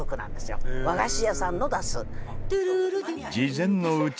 和菓子屋さんの出す。